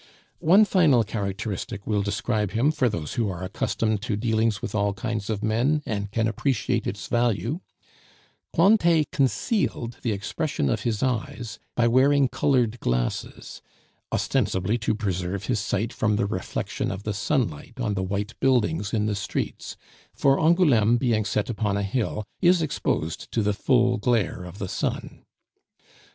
One final characteristic will describe him for those who are accustomed to dealings with all kinds of men, and can appreciate its value Cointet concealed the expression of his eyes by wearing colored glasses, ostensibly to preserve his sight from the reflection of the sunlight on the white buildings in the streets; for Angouleme, being set upon a hill, is exposed to the full glare of the sun.